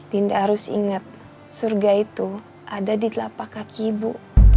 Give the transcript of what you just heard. tidak harus ingat surga itu ada di telapak kaki ibu